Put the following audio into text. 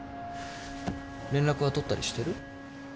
連絡は取ったりしてる？